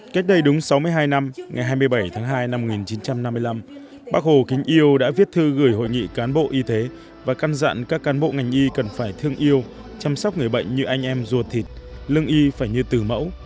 cách đây đúng sáu mươi hai năm ngày hai mươi bảy tháng hai năm một nghìn chín trăm năm mươi năm bác hồ kính yêu đã viết thư gửi hội nghị cán bộ y tế và căn dặn các cán bộ ngành y cần phải thương yêu chăm sóc người bệnh như anh em ruột thịt lương y phải như từ mẫu